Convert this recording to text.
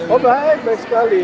oh baik baik sekali